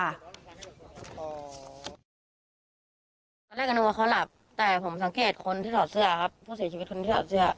ตอนแรกก็นึกว่าเขาหลับแต่ผมสังเกตคนที่ถอดเสื้อครับผู้เสียชีวิตคนที่ถอดเสื้อ